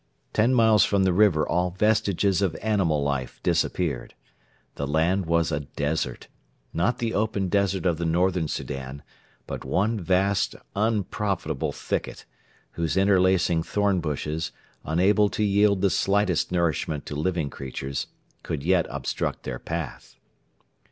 Ten miles from the river all vestiges of animal life disappeared. The land was a desert; not the open desert of the Northern Soudan, but one vast unprofitable thicket, whose interlacing thorn bushes, unable to yield the slightest nourishment to living creatures, could yet obstruct their path.